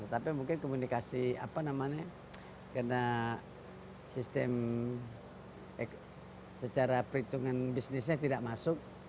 tapi mungkin komunikasi apa namanya karena sistem secara perhitungan bisnisnya tidak masuk